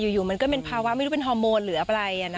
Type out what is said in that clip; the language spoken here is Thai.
อยู่มันก็เป็นภาวะไม่รู้เป็นฮอร์โมนหรืออะไร